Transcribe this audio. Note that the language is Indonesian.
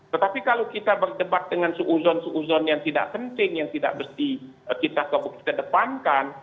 tetapi kalau kita berdebat dengan seuzon seuzon yang tidak penting yang tidak mesti kita depankan